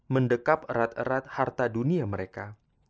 mendekap erat erat harta dunia mereka